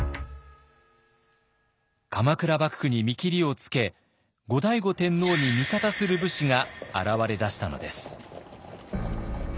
鎌倉幕府に見切りをつけ後醍醐天皇に味方する武士が現れだしたのです。